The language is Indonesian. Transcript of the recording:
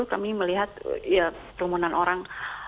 kami melihat ya kerumunan orang